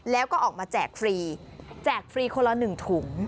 แล้วก็ออกมาแจกฟรีแจกฟรีคนละ๑ถุง